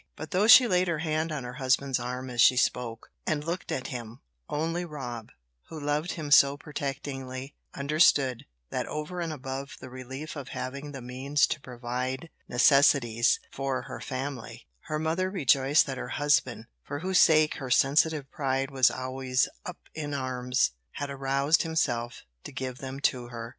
But though she laid her hand on her husband's arm as she spoke, and looked at him, only Rob, who loved him so protectingly, understood that over and above the relief of having the means to provide necessities for her family, her mother rejoiced that her husband, for whose sake her sensitive pride was always up in arms, had aroused himself to give them to her.